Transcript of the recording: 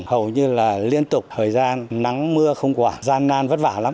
hầu như là liên tục thời gian nắng mưa không quả gian nan vất vả lắm